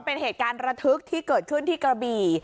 เป็นเหตุการณ์ระทึกที่เกิดขึ้นที่กระบี่